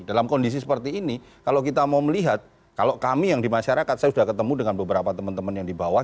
dalam kondisi seperti ini kalau kita mau melihat kalau kami yang di masyarakat saya sudah ketemu dengan beberapa teman teman yang di bawah